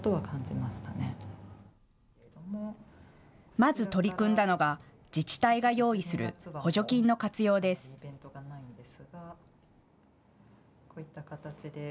まず取り組んだのが、自治体が用意する補助金の活用です。